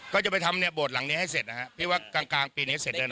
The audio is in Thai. ก็จะไปทำบทหลังนี้ให้เสร็จนะคะพี่ว่ากลางปีนี้เศษด้วยหน่อย